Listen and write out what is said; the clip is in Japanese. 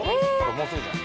もうすぐじゃん。